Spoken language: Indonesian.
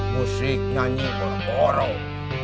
musik nyanyi borong